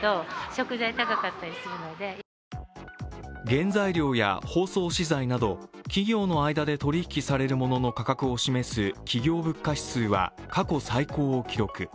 原材料や包装資材など、企業の間で取引される物の価格を示す企業物価指数は過去最高を記録。